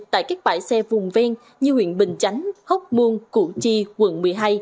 tại các bãi xe vùng ven như huyện bình chánh hốc muôn củ chi quận một mươi hai